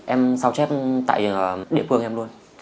em sao chép tại địa phương em luôn